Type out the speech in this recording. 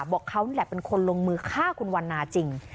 บอกเขานี่แหละเป็นคนลงมือฆ่าคุณวันนาจริง